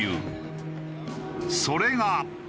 それが。